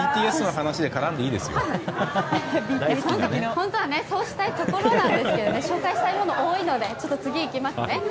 本当はそうしたいところなんですけど紹介したいものが多いので次に行きますね。